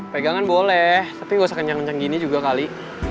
pegangan boleh tapi gak usah kenceng kenceng gini juga kali